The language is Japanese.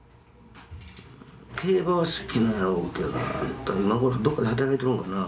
競馬は好きなんやろうけど今頃どっかで働いとんのかな。